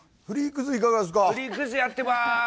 フリークズをやってます。